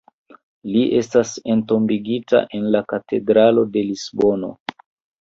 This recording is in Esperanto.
Li estas entombigita en la Katedralo de Lisbono.